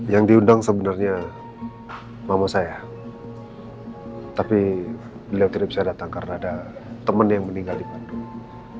yang diundang sebenarnya mama saya tapi beliau tidak bisa datang karena ada teman yang meninggal di bandung